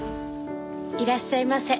いらっしゃいませ。